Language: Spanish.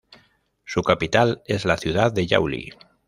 Su capital es la ciudad de Yauli.